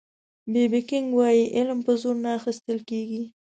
بي بي کېنګ وایي علم په زور نه اخيستل کېږي